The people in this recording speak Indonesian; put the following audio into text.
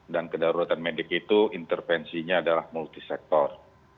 dan kedaruratan medik itu intervensinya adalah multisektor